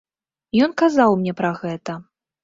Ён казаў мне пра гэта.